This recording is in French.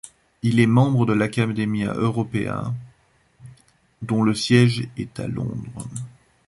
Il est membre de l’Academia Europaea, dont le siège est à Londres.